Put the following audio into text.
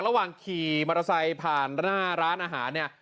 ระหว่างขี่มอเตอร์ไซค์ผ่านหน้าร้านอาหารเนี่ย